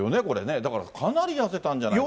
だからかなり痩せたんじゃないかと。